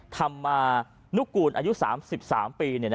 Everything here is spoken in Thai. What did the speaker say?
ทำมานุกกูลอายุ๓๓ปี